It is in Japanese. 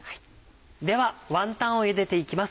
ではワンタンをゆでて行きます。